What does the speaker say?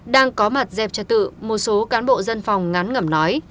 đang có mặt dẹp cho tự một số cán bộ dân phòng ngắn ngẩm nói